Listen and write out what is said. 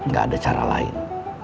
gak ada cara lain